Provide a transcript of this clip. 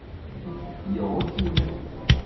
幼虫です。